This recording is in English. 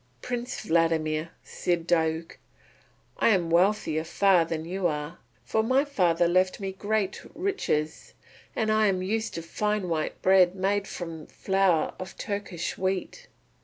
"Prince Vladimir," said Diuk, "I am wealthier far than you are. For my father left me great riches, and I am used to fine white bread made from flour of Turkish wheat."